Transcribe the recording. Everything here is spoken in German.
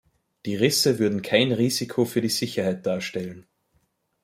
Die Risse würden kein Risiko für die Sicherheit darstellen.